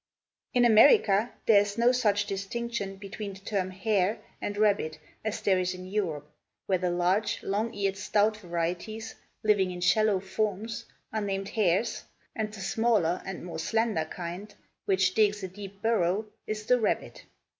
In America there is no such distinction between the term "hare" and "rabbit" as there is in Europe, where the large, long eared, stout varieties, living in shallow "forms," are named hares, and the smaller and more slender kind, which digs a deep burrow, is the "rabbit."